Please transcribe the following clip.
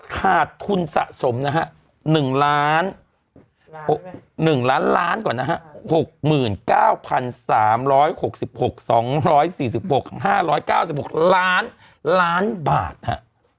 คาดทุนสะสมนะฮะหนึ่งล้านหนึ่งล้านล้านกว่านะฮะหกหมื่นเก้าพันสามร้อยหกสิบหกสองร้อยสี่สิบหกห้าร้อยเก้าสิบหกล้านล้านบาทฮะ